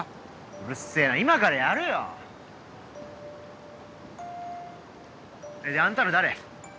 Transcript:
うるせぇな今からやるよ。あんたら誰？